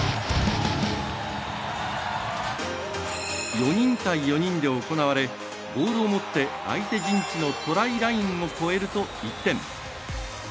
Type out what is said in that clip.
４人対４人で行われボールを持って相手陣地のトライラインを越えると１点。